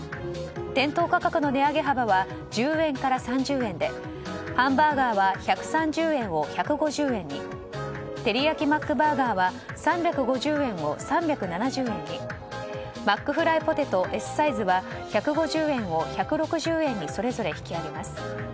店頭価格の値上げ幅は１０円から３０円でハンバーガーは１３０円を１５０円にてりやきマックバーガーは３５０円を３７０円にマックフライポテトＳサイズは１５０円を１６０円にそれぞれ引き上げます。